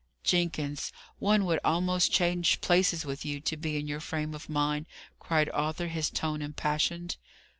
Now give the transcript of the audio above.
"Jenkins, one would almost change places with you, to be in your frame of mind," cried Arthur, his tone impassioned.